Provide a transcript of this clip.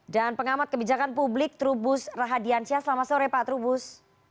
dan pengamat kebijakan publik trubus rahadiansyah selamat sore pak trubus